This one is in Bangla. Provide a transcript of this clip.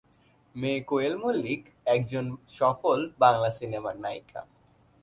মেয়ে কোয়েল মল্লিক একজন সফল বাংলা সিনেমার নায়িকা।